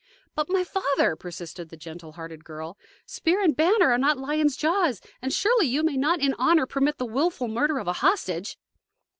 "But, my father," persisted the gentle hearted girl, "spear and banner are not lions' jaws. And surely you may not in honor permit the wilful murder of a hostage."